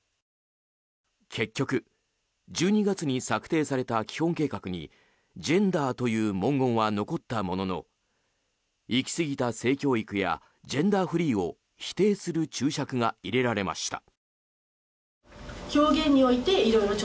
結局、１２月に策定された基本計画にジェンダーという文言は残ったものの行きすぎた性教育やジェンダーフリーを否定する注釈が入れられました。